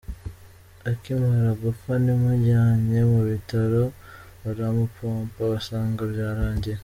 Akimara gupfa namujyanye mu bitaro baramupompa basanga byarangiye’’.